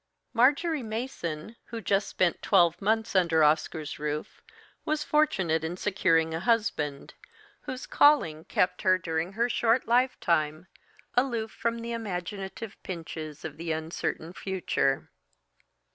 Marjory Mason, who just spent twelve months under Oscar's roof, was fortunate in securing a husband, whose calling kept her during her short lifetime aloof from the imaginative pinches of the uncertain future.